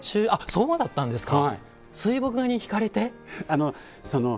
そうだったんですか。